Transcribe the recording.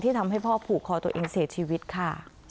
ทำให้พ่อผูกคอตัวเองเสียชีวิตค่ะ